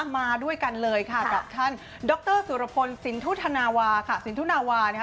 มาด้วยกันเลยค่ะกับท่านดรสุรพลสินทุธานาวาค่ะ